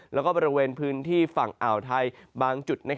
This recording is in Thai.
แล้วก็บริเวณพื้นที่ฝั่งอ่าวไทยบางจุด